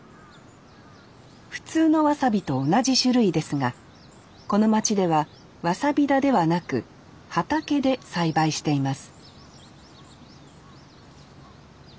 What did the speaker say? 普通のわさびと同じ種類ですがこの町ではわさび田ではなく畑で栽培しています